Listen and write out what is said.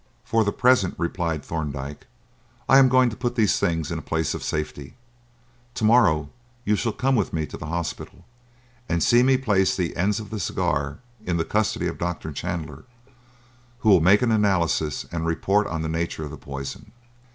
"For the present," replied Thorndyke, "I am going to put these things in a place of safety. To morrow you shall come with me to the hospital and see me place the ends of the cigar in the custody of Dr. Chandler, who will make an analysis and report on the nature of the poison.